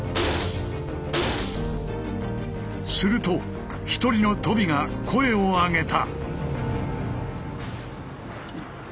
すると一人のとびが声を上げた！